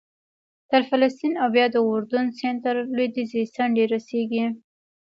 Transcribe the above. تر فلسطین او بیا د اردن سیند تر لوېدیځې څنډې رسېږي